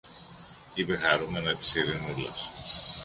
είπε χαρούμενα της Ειρηνούλας